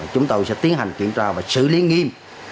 chúng tôi sẽ tiến hành kiểm tra và xử lý nghiêm